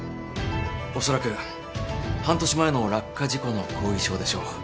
おそらく半年前の落下事故の後遺症でしょう。